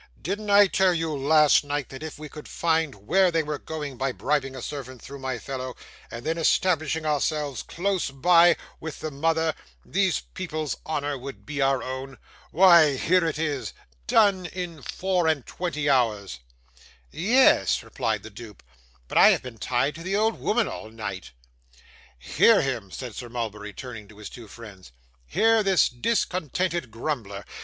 'Didn't I tell you last night that if we could find where they were going by bribing a servant through my fellow, and then established ourselves close by with the mother, these people's honour would be our own? Why here it is, done in four and twenty hours.' 'Ye es,' replied the dupe. 'But I have been tied to the old woman all ni ight.' 'Hear him,' said Sir Mulberry, turning to his two friends. 'Hear this discontented grumbler.